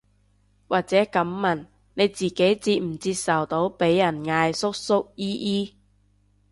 或者噉問，你自己接唔接受到被人嗌叔叔姨姨